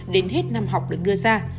đến hết năm học được đưa ra